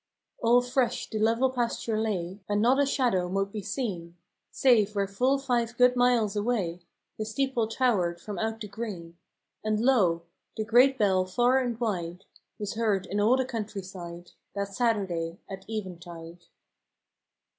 Alle fresh the level pasture lay, And not a shadowe mote be seene, Save where full fyve good miles away The steeple towered from out the greene; And lo ! the great bell farre and wide Was heard in all the country side That Saturday at eventide.